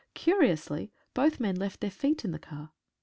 Curiously both men left their feet in the car.